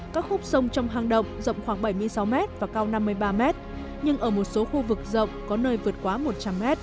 các khúc sông trong hang động rộng khoảng bảy mươi sáu m và cao năm mươi ba m nhưng ở một số khu vực rộng có nơi vượt quá một trăm linh m